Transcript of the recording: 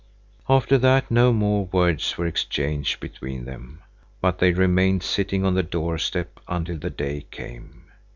After that no more words were exchanged between them, but they remained sitting on the doorstep until the day came.